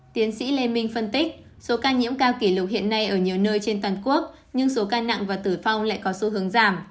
tiến sĩ lê minh phân tích số ca nhiễm cao kỷ lục hiện nay ở nhiều nơi trên toàn quốc nhưng số ca nặng và tử vong lại có xu hướng giảm